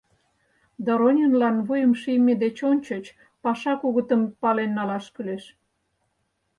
Доронинлан вуйым шийме деч ончыч паша кугытым пален налаш кӱлеш.